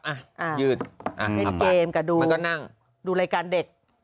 อ่ะยืดเล่นเกมกับดูมันก็นั่งดูรายการเด็ก